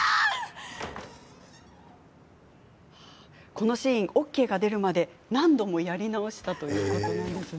このシーンＯＫが出るまで何度もやり直したということなんですね。